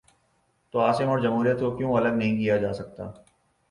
تو عاصم اور جمہوریت کو کیوں الگ نہیں کیا جا سکتا؟